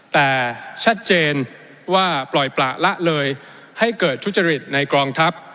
แต่ชัดเจนว่าปล่อยประละเลยให้เกิดทุจริตในกองทัพ